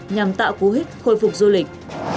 nhằm tạo cú hít khôi phục du lịch